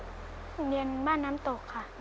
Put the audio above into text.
โรงเรียนบ้านน้ำตกค่ะ